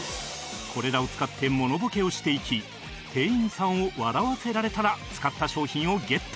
これらを使ってモノボケをしていき店員さんを笑わせられたら使った商品をゲット